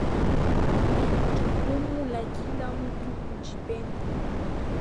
Ni jukumu la kila mtu kujipenda